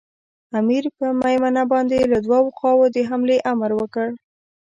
امیر پر مېمنه باندې له دوو خواوو د حملې امر وکړ.